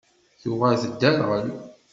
Tuɣal tedderɣel.